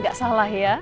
gak salah ya